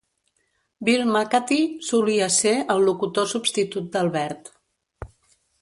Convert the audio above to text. Bill Macatee solia ser el locutor substitut d'Albert.